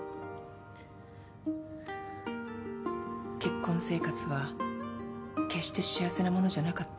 結婚生活は決して幸せなものじゃなかった。